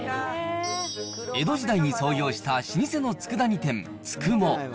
江戸時代に創業した老舗のつくだ煮店、佃茂。